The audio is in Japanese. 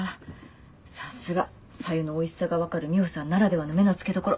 さすが白湯のおいしさが分かるミホさんならではの目の付けどころ。